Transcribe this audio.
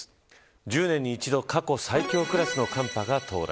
１０年に１度、過去最強クラスの寒波が到来。